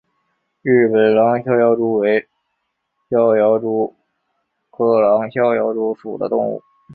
日本狼逍遥蛛为逍遥蛛科狼逍遥蛛属的动物。